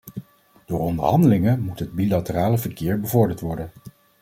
Door onderhandelingen moet het bilaterale verkeer bevorderd worden.